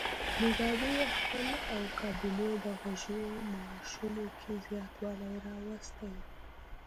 موګابي د خپل او کابینې د غړو معاشونو کې زیاتوالی راوستی و.